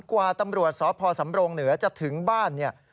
กว่าตำรวจสพสำรงเหนือจะถึงบ้านเนี่ย